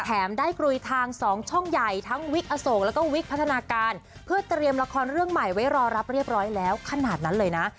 ได้กลุยทาง๒ช่องใหญ่ทั้งวิกอโศกแล้วก็วิกพัฒนาการเพื่อเตรียมละครเรื่องใหม่ไว้รอรับเรียบร้อยแล้วขนาดนั้นเลยนะ